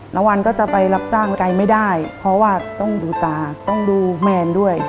วันก็จะไปรับจ้างไกลไม่ได้เพราะว่าต้องดูตาต้องดูแมนด้วย